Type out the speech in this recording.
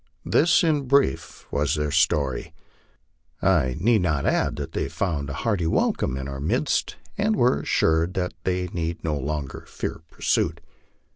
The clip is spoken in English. This in brief was their story. I need not add that they found a hearty welcome in our midst, and were assured that they need no longer fear pursuit.